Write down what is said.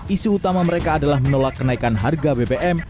isu utama mereka adalah menolak kenaikan harga bbm